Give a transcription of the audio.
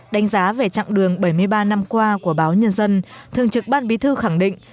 đánh giá về chặng đường bảy mươi ba năm qua của báo nhân dân thường trực ban bí thư khẳng định